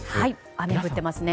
雨が降っていますね。